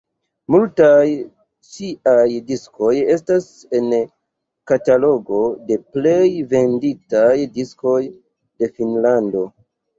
Multaj ŝiaj diskoj estas en katalogo de plej venditaj diskoj de Finnlando.